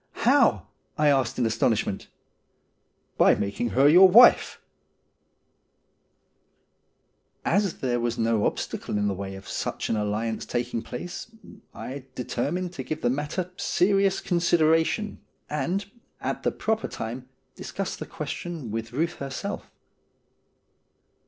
' How ?' I asked in astonishment. ' By making her your wife !' As there was no obstacle in the way of such an alliance taking place I determined to give the matter serious consider ation, and, at the proper time, discuss the question with Ruth herself.